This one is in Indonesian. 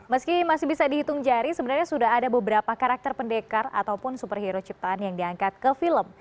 meski masih bisa dihitung jari sebenarnya sudah ada beberapa karakter pendekar ataupun superhero ciptaan yang diangkat ke film